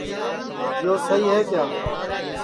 یو سئہی ہے کیا